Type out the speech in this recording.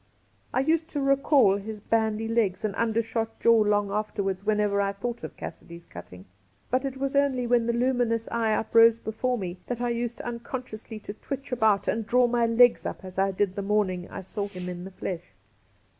I used to recall his bandy legs and undershot jaw long after wards whenever I thought of Cassidy's Cutting ; but it was only when the luminous eye uprose before me that I used unconsciously to twitch about and draw my legs up as I did the morning I saw him in the flesh.